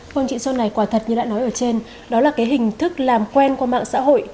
cảnh sát hình sự này quả thật như đã nói ở trên đó là hình thức làm quen qua mạng xã hội